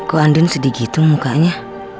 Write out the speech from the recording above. kok andin sedih gitu mukanya